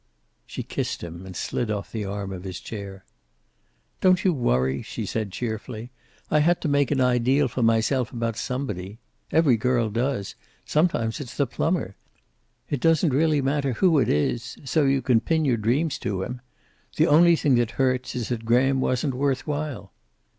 She kissed him and slid off the arm of his chair. "Don't you worry," she said cheerfully. "I had to make an ideal for myself about somebody. Every girl does. Sometimes it's the plumber. It doesn't really matter who it is, so you can pin your dreams to him. The only thing that hurts is that Graham wasn't worth while."